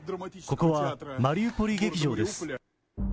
ここはマリウポリ劇場です。